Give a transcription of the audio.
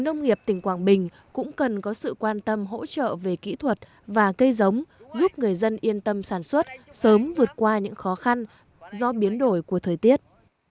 nông nghiệp tỉnh quảng bình cũng cần có sự quan tâm hỗ trợ về kỹ thuật và cây giống giúp người dân yên tâm sản xuất sớm vượt qua những khó khăn do biến đổi của thời tiết